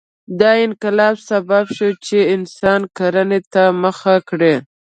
دا انقلاب سبب شو چې انسان کرنې ته مخه کړي.